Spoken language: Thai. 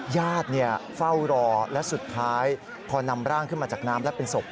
ญาติเฝ้ารอและสุดท้ายพอนำร่างขึ้นมาจากน้ำและเป็นศพ